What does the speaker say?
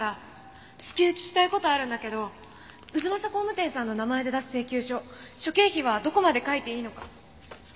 至急聞きたい事あるんだけど太秦工務店さんの名前で出す請求書諸経費はどこまで書いていいのか。